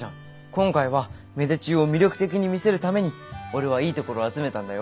今回は芽出中を魅力的に見せるために俺はいいところを集めたんだよ。